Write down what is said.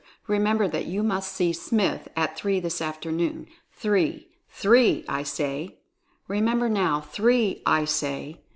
Remember that you must see Smith at three this afternoon — three, three, I say ! Remember now, THREE, I say!"